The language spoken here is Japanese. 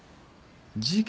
事件